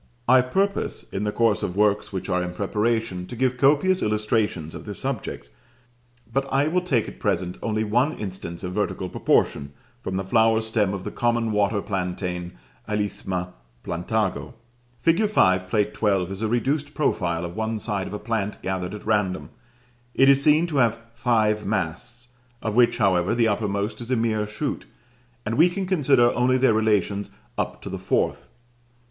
I purpose, in the course of works which are in preparation, to give copious illustrations of this subject, but I will take at present only one instance of vertical proportion, from the flower stem of the common water plantain, Alisma Plantago. Fig. 5, Plate XII. is a reduced profile of one side of a plant gathered at random; it is seen to have five masts, of which, however, the uppermost is a mere shoot, and we can consider only their relations up to the fourth.